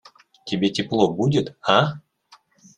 Тебе тепло будет, а?